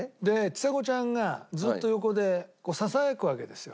ちさ子ちゃんがずっと横でささやくわけですよ